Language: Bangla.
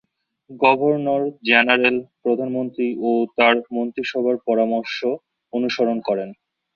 গভর্নর-জেনারেল প্রধানমন্ত্রী ও তার মন্ত্রিসভার পরামর্শ অনুসরণ করেন।